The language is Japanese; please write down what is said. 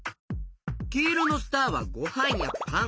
きいろのスターはごはんやパン。